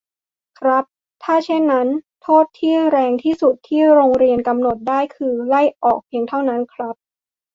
ครับ ถ้าเช่นนั้น โทษที่แรงที่สุด ที่โรงเรียนกำหนดได้ คือ ไล่ออก เพียงเท่านั้นครับ